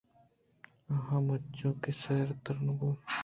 آ ہمنچو کہ سیر تِر بُوہان اَت